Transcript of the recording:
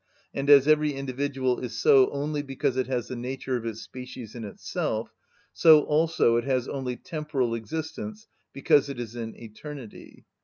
And as every individual is so only because it has the nature of its species in itself, so also it has only temporal existence because it is in eternity.